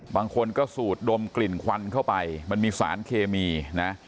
บางคนก็สูดดมกลิ่นควันเข้าไปมันมีสารเคมีนะ